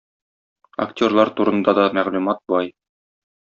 Актерлар турында да мәгълүмат бай.